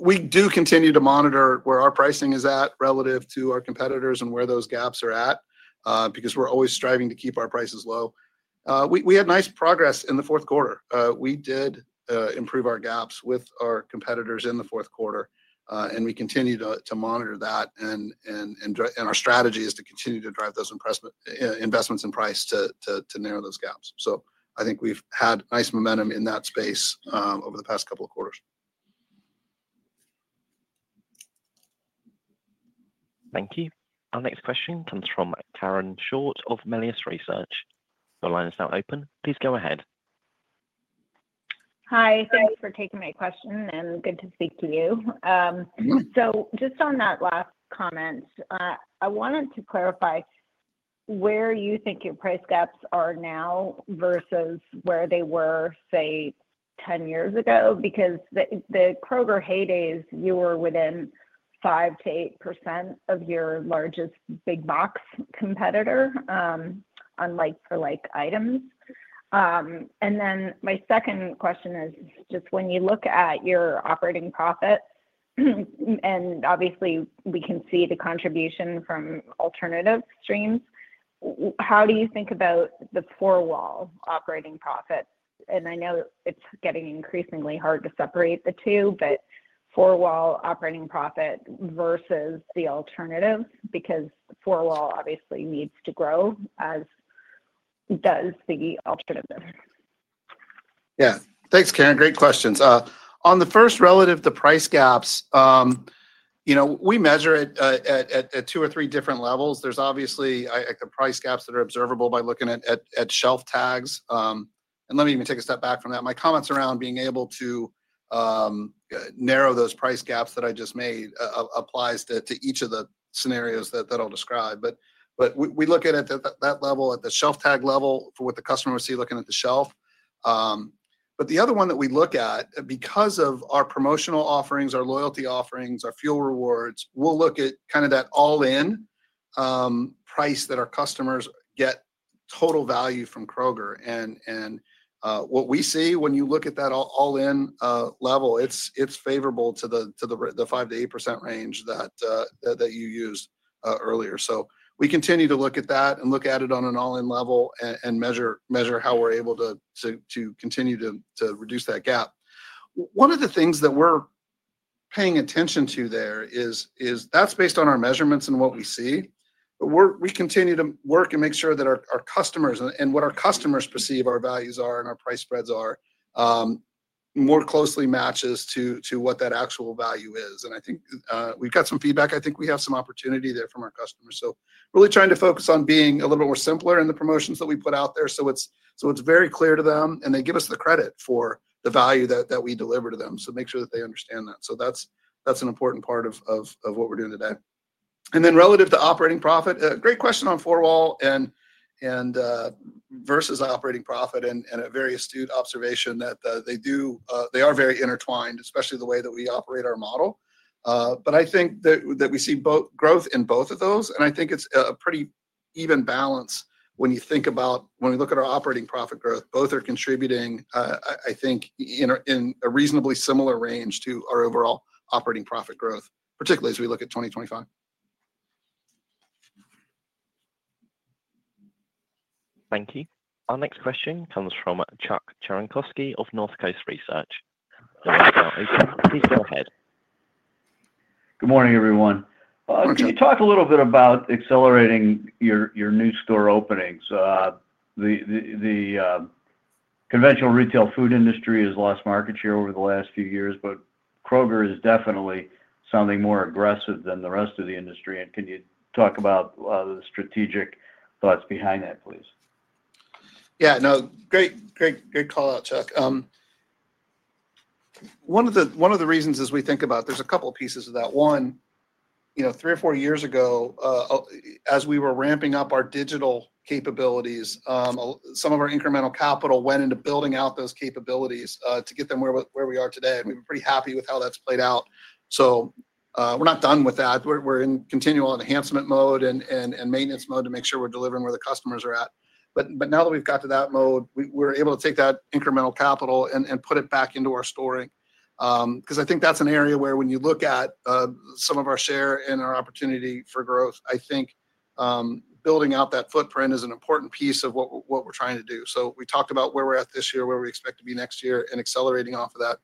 we do continue to monitor where our pricing is at relative to our competitors and where those gaps are at because we're always striving to keep our prices low. We had nice progress in the fourth quarter. We did improve our gaps with our competitors in the fourth quarter. And we continue to monitor that. And our strategy is to continue to drive those investments in price to narrow those gaps. So I think we've had nice momentum in that space over the past couple of quarters. Thank you. Our next question comes from Karen Short of Melius Research. Your line is now open. Please go ahead. Hi. Thanks for taking my question, and good to speak to you. So just on that last comment, I wanted to clarify where you think your price gaps are now versus where they were, say, 10 years ago because the Kroger heydays, you were within 5%-8% of your largest big box competitor on like-for-like items. And then my second question is just when you look at your operating profits, and obviously, we can see the contribution from alternative streams, how do you think about the four-wall operating profits? And I know it's getting increasingly hard to separate the two, but four-wall operating profit versus the alternative, because four-wall obviously needs to grow as does the alternative. Yeah. Thanks, Karen. Great questions. On the first relative to price gaps, we measure it at two or three different levels. There's obviously the price gaps that are observable by looking at shelf tags. And let me even take a step back from that. My comments around being able to narrow those price gaps that I just made applies to each of the scenarios that I'll describe. But we look at it at that level, at the shelf tag level, for what the customer would see looking at the shelf. But the other one that we look at, because of our promotional offerings, our loyalty offerings, our fuel rewards, we'll look at kind of that all-in price that our customers get total value from Kroger. And what we see when you look at that all-in level, it's favorable to the 5%-8% range that you used earlier. So we continue to look at that and look at it on an all-in level and measure how we're able to continue to reduce that gap. One of the things that we're paying attention to there is that's based on our measurements and what we see. But we continue to work and make sure that our customers and what our customers perceive our values are and our price spreads are more closely matches to what that actual value is. And I think we've got some feedback. I think we have some opportunity there from our customers. So really trying to focus on being a little bit more simpler in the promotions that we put out there so it's very clear to them, and they give us the credit for the value that we deliver to them. So make sure that they understand that. So that's an important part of what we're doing today. And then relative to operating profit, great question on four-wall versus operating profit and a very astute observation that they are very intertwined, especially the way that we operate our model. But I think that we see growth in both of those. And I think it's a pretty even balance when you think about when we look at our operating profit growth. Both are contributing, I think, in a reasonably similar range to our overall operating profit growth, particularly as we look at 2025. Thank you. Our next question comes from Chuck Cerankosky of North Coast Research. Please go ahead. Good morning, everyone. Can you talk a little bit about accelerating your new store openings? The conventional retail food industry has lost market share over the last few years, but Kroger is definitely sounding more aggressive than the rest of the industry. And can you talk about the strategic thoughts behind that, please? Yeah. No, great call out, Chuck. One of the reasons is we think about there's a couple of pieces of that. One, three or four years ago, as we were ramping up our digital capabilities, some of our incremental capital went into building out those capabilities to get them where we are today. And we've been pretty happy with how that's played out. So we're not done with that. We're in continual enhancement mode and maintenance mode to make sure we're delivering where the customers are at. But now that we've got to that mode, we're able to take that incremental capital and put it back into our stores because I think that's an area where, when you look at some of our share and our opportunity for growth, I think building out that footprint is an important piece of what we're trying to do. So we talked about where we're at this year, where we expect to be next year, and accelerating off of that.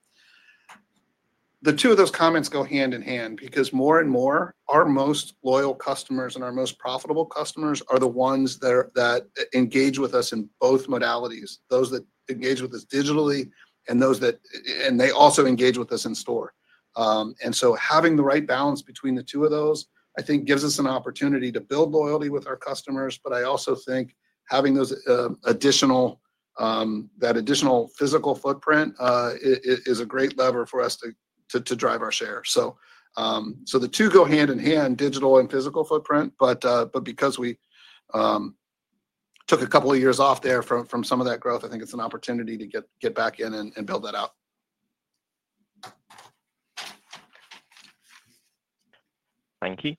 The two of those comments go hand in hand because more and more, our most loyal customers and our most profitable customers are the ones that engage with us in both modalities: those that engage with us digitally and they also engage with us in store, and so having the right balance between the two of those, I think, gives us an opportunity to build loyalty with our customers, but I also think having that additional physical footprint is a great lever for us to drive our share, so the two go hand in hand, digital and physical footprint, but because we took a couple of years off there from some of that growth, I think it's an opportunity to get back in and build that out. Thank you.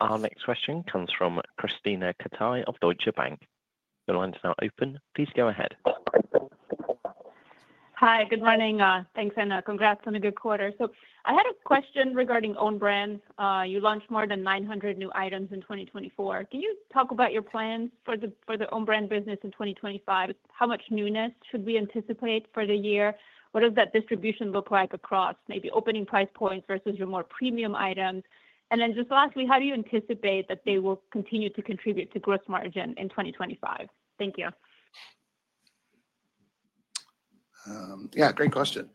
Our next question comes from Krisztina Katai of Deutsche Bank. Your line is now open. Please go ahead. Hi. Good morning. Thanks, and congrats on a good quarter. So, I had a question regarding own brands. You launched more than 900 new items in 2024. Can you talk about your plans for the own brand business in 2025? How much newness should we anticipate for the year? What does that distribution look like across maybe opening price points versus your more premium items? And then just lastly, how do you anticipate that they will continue to contribute to gross margin in 2025? Thank you. Yeah. Great question.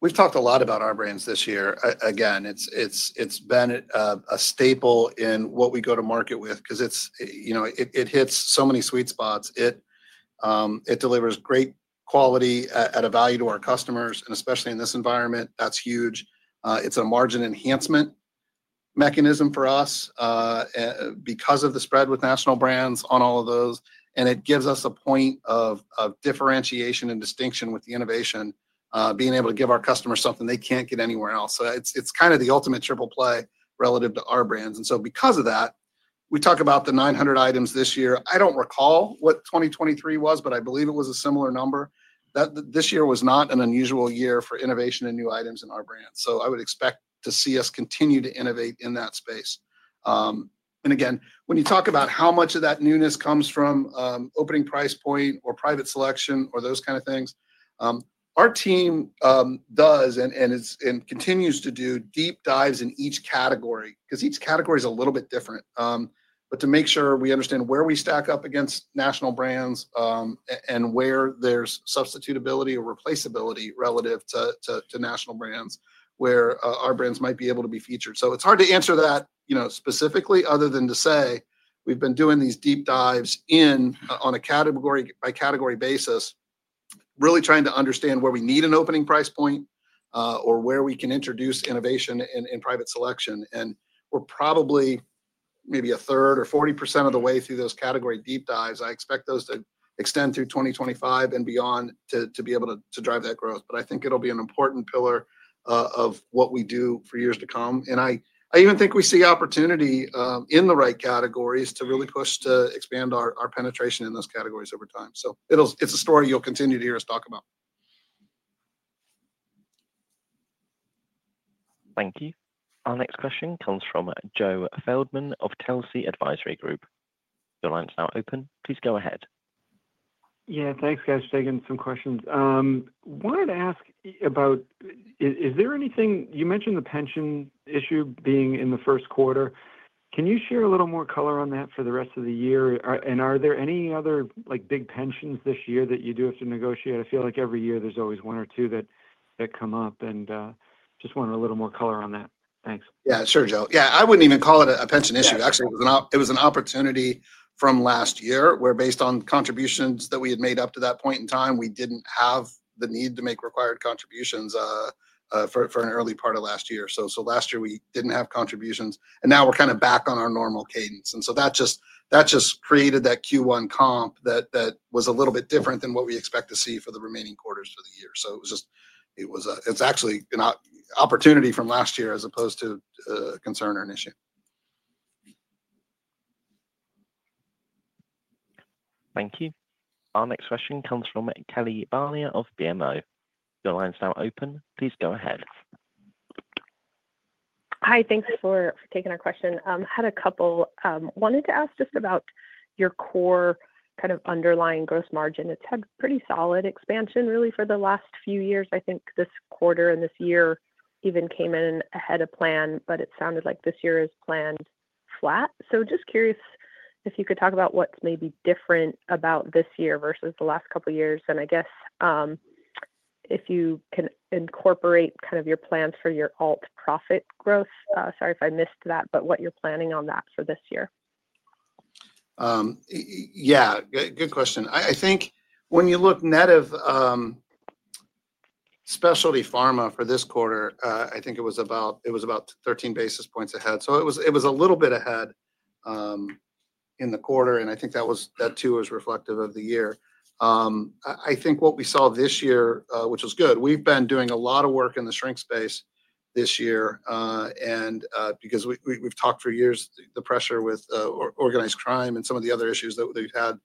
We've talked a lot about Our Brands this year. Again, it's been a staple in what we go to market with because it hits so many sweet spots. It delivers great quality at a value to our customers. And especially in this environment, that's huge. It's a margin enhancement mechanism for us because of the spread with national brands on all of those. It gives us a point of differentiation and distinction with the innovation, being able to give our customers something they can't get anywhere else. So it's kind of the ultimate triple play relative to Our Brands. And so because of that, we talk about the 900 items this year. I don't recall what 2023 was, but I believe it was a similar number. This year was not an unusual year for innovation and new items in Our Brand. So I would expect to see us continue to innovate in that space. And again, when you talk about how much of that newness comes from opening price point or Private Selection or those kind of things, our team does and continues to do deep dives in each category because each category is a little bit different. But to make sure we understand where we stack up against national brands and where there's substitutability or replaceability relative to national brands where Our Brands might be able to be featured. So it's hard to answer that specifically other than to say we've been doing these deep dives on a category-by-category basis, really trying to understand where we need an opening price point or where we can introduce innovation in Private Selection. And we're probably maybe a third or 40% of the way through those category deep dives. I expect those to extend through 2025 and beyond to be able to drive that growth. But I think it'll be an important pillar of what we do for years to come. And I even think we see opportunity in the right categories to really push to expand our penetration in those categories over time. So it's a story you'll continue to hear us talk about. Thank you. Our next question comes from Joe Feldman of Telsey Advisory Group. Your line is now open. Please go ahead. Yeah. Thanks, guys. Taking some questions. Wanted to ask about is there anything you mentioned the pension issue being in the first quarter. Can you share a little more color on that for the rest of the year? And are there any other big pensions this year that you do have to negotiate? I feel like every year there's always one or two that come up. And just wanted a little more color on that. Thanks. Yeah. Sure, Joe. Yeah. I wouldn't even call it a pension issue. Actually, it was an opportunity from last year where, based on contributions that we had made up to that point in time, we didn't have the need to make required contributions for an early part of last year. So last year, we didn't have contributions, and now we're kind of back on our normal cadence, and so that just created that Q1 comp that was a little bit different than what we expect to see for the remaining quarters of the year. So it was actually an opportunity from last year as opposed to a concern or an issue. Thank you. Our next question comes from Kelly Bania of BMO. Your line is now open. Please go ahead. Hi. Thanks for taking our question. Had a couple. Wanted to ask just about your core kind of underlying gross margin. It's had pretty solid expansion, really, for the last few years. I think this quarter and this year even came in ahead of plan, but it sounded like this year is planned flat. So just curious if you could talk about what's maybe different about this year versus the last couple of years. And I guess if you can incorporate kind of your plans for your alt profit growth. Sorry if I missed that, but what you're planning on that for this year. Yeah. Good question. I think when you look net of specialty pharma for this quarter, I think it was about 13 basis points ahead. So it was a little bit ahead in the quarter. And I think that too was reflective of the year. I think what we saw this year, which was good, we've been doing a lot of work in the shrink space this year. And because we've talked for years, the pressure with organized crime and some of the other issues that we've had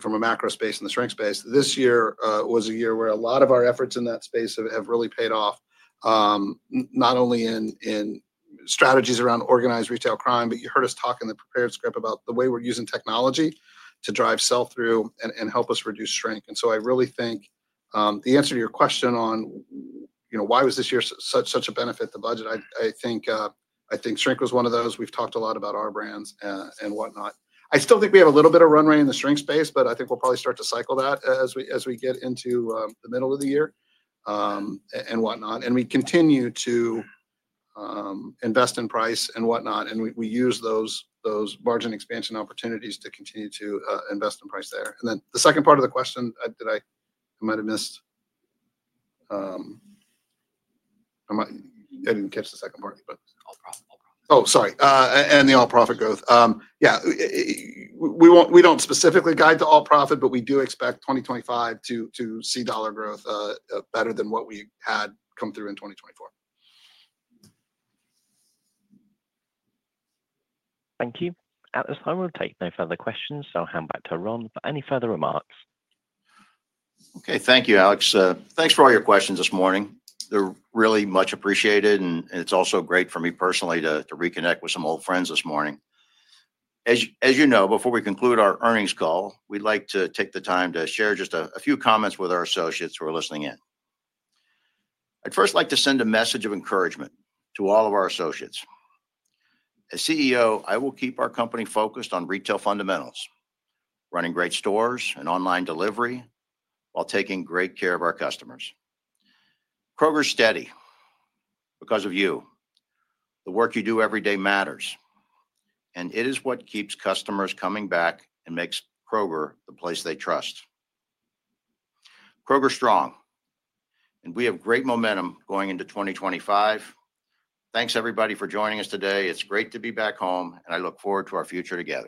from a macro space in the shrink space, this year was a year where a lot of our efforts in that space have really paid off, not only in strategies around organized retail crime, but you heard us talk in the prepared script about the way we're using technology to drive sell-through and help us reduce shrink. And so I really think the answer to your question on why was this year such a benefit to budget. I think shrink was one of those. We've talked a lot about Our Brands and whatnot. I still think we have a little bit of runway in the shrink space, but I think we'll probably start to cycle that as we get into the middle of the year and whatnot. We continue to invest in price and whatnot. We use those margin expansion opportunities to continue to invest in price there. Then the second part of the question that I might have missed. I didn't catch the second part, but. Oh, sorry. The alt profit growth. Yeah. We don't specifically guide to alt profit, but we do expect 2025 to see dollar growth better than what we had come through in 2024. Thank you. At this time, we'll take no further questions. I'll hand back to Ron for any further remarks. Okay. Thank you, Alex. Thanks for all your questions this morning. They're really much appreciated. It's also great for me personally to reconnect with some old friends this morning. As you know, before we conclude our earnings call, we'd like to take the time to share just a few comments with our associates who are listening in. I'd first like to send a message of encouragement to all of our associates. As CEO, I will keep our company focused on retail fundamentals, running great stores and online delivery while taking great care of our customers. Kroger's steady because of you. The work you do every day matters. And it is what keeps customers coming back and makes Kroger the place they trust. Kroger's strong. And we have great momentum going into 2025. Thanks, everybody, for joining us today. It's great to be back home. And I look forward to our future together.